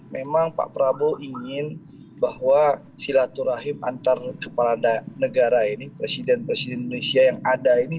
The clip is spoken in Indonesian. memang pak prabowo ingin bahwa silaturahim antar kepala negara ini presiden presiden indonesia yang ada ini